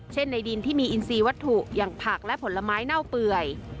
ในดินที่มีอินซีวัตถุอย่างผักและผลไม้เน่าเปื่อย